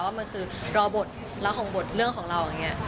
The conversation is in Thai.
ว่ามันคือรอบท้าของบทเรื่องของเราอย่างนี้